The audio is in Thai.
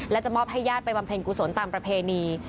และจะมอบให้ญาติไปบำเพ็ญกุศลตามประเพณี